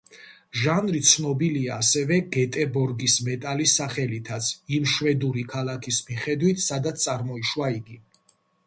ჟანრი ცნობილია ასევე გეტებორგის მეტალის სახელითაც, იმ შვედური ქალაქის მიხედვით, სადაც წარმოიშვა იგი.